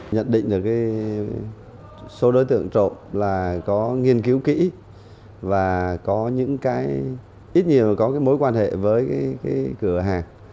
nhận định được số đối tượng trộm là có nghiên cứu kỹ và có những cái ít nhiều có cái mối quan hệ với cái cửa hàng